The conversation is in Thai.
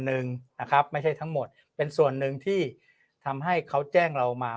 หนึ่งนะครับไม่ใช่ทั้งหมดเป็นส่วนหนึ่งที่ทำให้เขาแจ้งเรามา